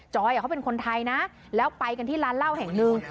อยเขาเป็นคนไทยนะแล้วไปกันที่ร้านเหล้าแห่งหนึ่ง